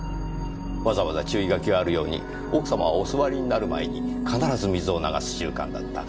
わざわざ注意書きがあるように奥様はお座りになる前に必ず水を流す習慣があった。